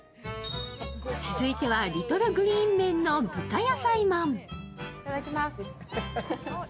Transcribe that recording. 続いては、リトルグリーンメンの豚野菜まん。